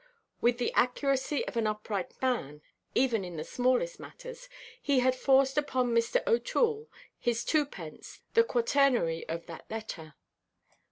With the accuracy of an upright man (even in the smallest matters), he had forced upon Mr. OʼToole his twopence, the quaternary of that letter.